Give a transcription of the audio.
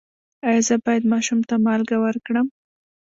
ایا زه باید ماشوم ته مالګه ورکړم؟